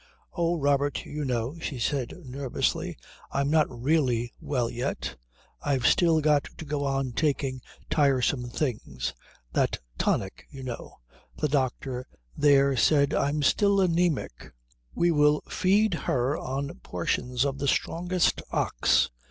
"Oh, Robert. You know," she added nervously, "I'm not really well yet. I've still got to go on taking tiresome things that tonic, you know. The doctor there said I'm still anæmic " "We will feed her on portions of the strongest ox."